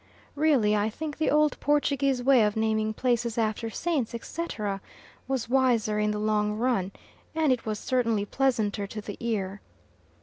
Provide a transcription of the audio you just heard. Really I think the old Portuguese way of naming places after Saints, etc., was wiser in the long run, and it was certainly pleasanter to the ear.